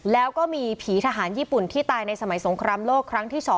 แล้วก็มีผีทหารญี่ปุ่นที่ตายในสมัยสงครามโลกครั้งที่๒